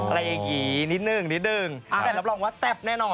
อะไรอย่างนี้นิดนึงนิดนึงแต่รับรองว่าแซ่บแน่นอน